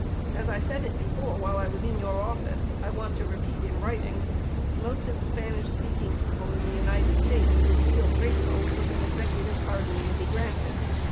As I said it before while I was in your office, I want to repeat in writing most of the Spanish speaking people in the United States would feel grateful if an Executive pardon would be granted.